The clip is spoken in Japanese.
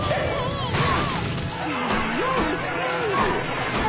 うう。